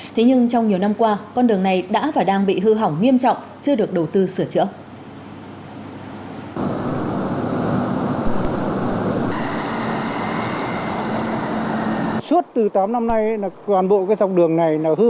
thế nhưng trong nhiều năm qua con đường này đã và đang bị hư hỏng nghiêm trọng chưa được đầu tư sửa chữa